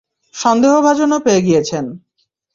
সন্দেহভাজনও পেয়ে গিয়েছন।